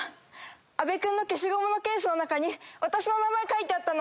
阿部君の消しゴムのケースの中に私の名前書いてあったの。